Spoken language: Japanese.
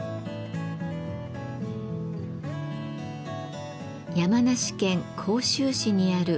山梨県甲州市にある恵林寺。